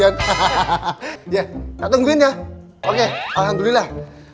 hahaha ya nantungin ya oke alhamdulillah